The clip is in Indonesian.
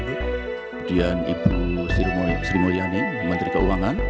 kemudian ibu sri mulyani menteri keuangan